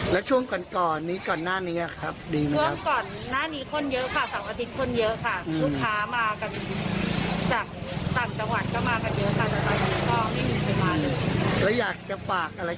อยากให้มาตรวจโควิดที่นี่อะครับเพื่อสร้างปลามั่นใจ